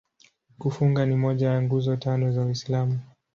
Kufunga ni moja ya Nguzo Tano za Uislamu.